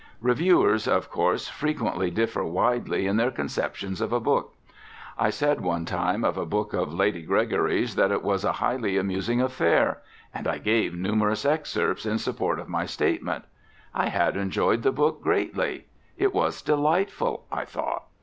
Reviewers of course frequently differ widely in their conceptions of a book. I said one time of a book of Lady Gregory's that it was a highly amusing affair; and I gave numerous excerpts in support of my statement. I had enjoyed the book greatly. It was delightful, I thought.